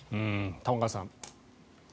玉川さん。